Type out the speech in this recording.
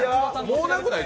もうなくない？